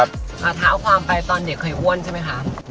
ถามตอนเด็กเคยอ้วนใช่ไหมคะ